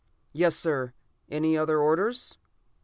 "Yes, sir! Any other orders?"